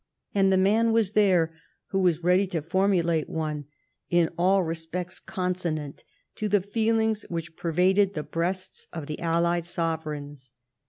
And the man was there who w as ready to formulate one in all respects consonant to the feelings which pervaded the breasts of the allied sovereigns.